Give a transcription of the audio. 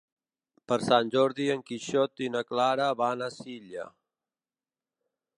Per Sant Jordi en Quixot i na Clara van a Silla.